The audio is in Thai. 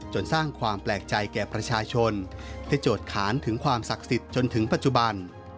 สร้างความแปลกใจแก่ประชาชนได้โจทย์ขานถึงความศักดิ์สิทธิ์จนถึงปัจจุบัน